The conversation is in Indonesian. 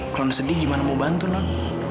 kalau sedih gimana mau bantu non